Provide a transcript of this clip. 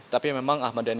tapi memang ahmad dhani